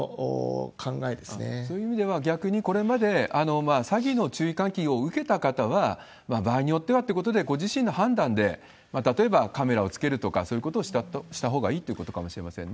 そういう意味では、逆にこれまで詐欺の注意喚起を受けた方は、場合によってはということで、ご自身の判断で、例えばカメラをつけるとか、そういうことをしたほうがいいということかもしれませんね。